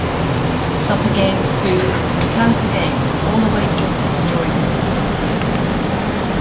Soccer games, food, mechanical games all await the visitor during these festivities.